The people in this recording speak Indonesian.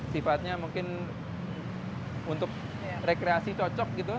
sifatnya mungkin untuk rekreasi cocok gitu